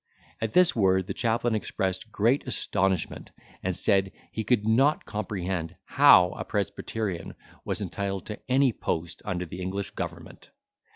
At this word the chaplain expressed great astonishment, and said, he could not comprehend how a presbyterian was entitled to any post under the English government.